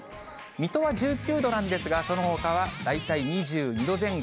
水戸は１９度なんですが、そのほかは大体２２度前後。